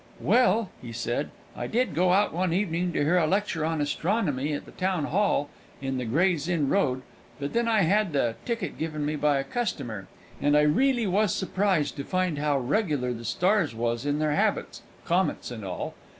"Well," he said, "I did go out one evening, to hear a lecture on Astronomy at the Town Hall, in the Gray's Inn Road; but then I had the ticket given me by a customer, and I reely was surprised to find how regular the stars was in their habits, comets and all.